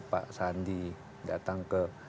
pak sandi datang ke